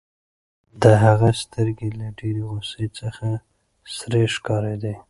د هغه سترګې له ډېرې غوسې څخه سرې ښکارېدې.